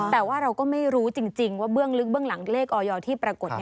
แต่ว่าเราก็ไม่รู้จริงว่าเบื้องหลังเลขออยอที่ปรากฏ